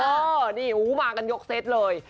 เออนี่มากันยกเซตเลย